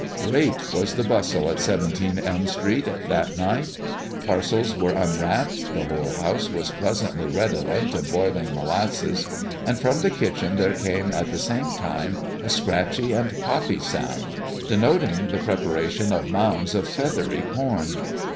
Great was the bustle at 17 Elm Street that night. Parcels were unwrapped; the whole house was pleasantly redolent of boiling molasses; and from the kitchen there came at the same time a scratchy and poppy sound, denoting the preparation of mounds of feathery corn.